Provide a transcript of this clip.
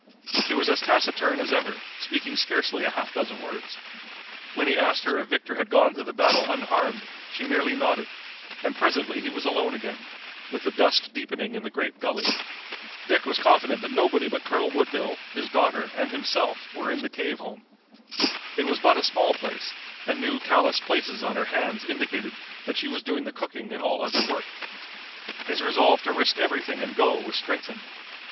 She was as taciturn as ever, speaking scarcely a half dozen words. When he asked her if Victor had gone through the battle unharmed she merely nodded, and presently he was alone again, with the dusk deepening in the great gully. Dick was confident that nobody but Colonel Woodville, his daughter, and himself were in the cave home. It was but a small place, and new callous places on her hands indicated that she was doing the cooking and all other work. His resolve to risk everything and go was strengthened.